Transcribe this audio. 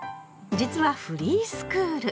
実はフリースクール。